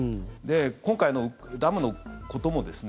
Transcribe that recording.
今回のダムのこともですね